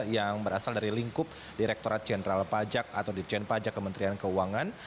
yang berasal dari lingkup direkturat jenderal pajak atau dirjen pajak kementerian keuangan